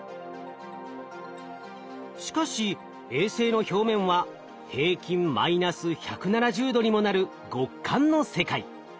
しかし衛星の表面は平均マイナス１７０℃にもなる極寒の世界。